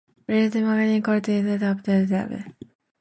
"Variety Magazine" called it an "unpleasant and tedious ensemble.